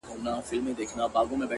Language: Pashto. • چي به کله ښکاري باز پر را ښکاره سو ,